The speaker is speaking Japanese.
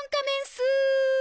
スー。